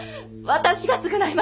私が償います！